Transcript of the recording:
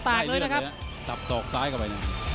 ติดตามยังน้อยกว่า